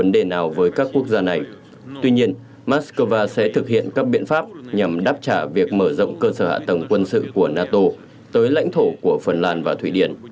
tuy nhiên moscow sẽ thực hiện các biện pháp nhằm đáp trả việc mở rộng cơ sở hạ tầng quân sự của nato tới lãnh thổ của phần lan và thụy điển